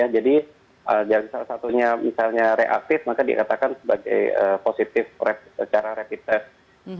jadi misalnya reaktif maka dikatakan sebagai positif secara rapid test